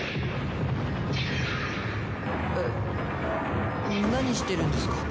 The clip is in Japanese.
えっなにしてるんですか？